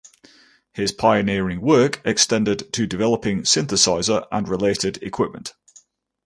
His pioneering work extended to developing synthesizer and related equipment.